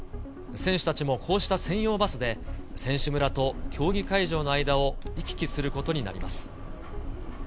選手たちもこうした専用バスで選手村と競技会場の間を行き来することになります。